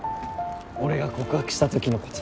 俺が告白したときのこと。